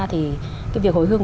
thì cái việc hồi hương